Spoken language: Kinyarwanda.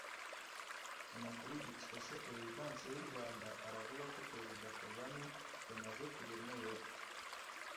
Amakuru dukesha perezidanse y’u Rwanda aravuga ko Perezida Kagame yamaze kugera i Nairobi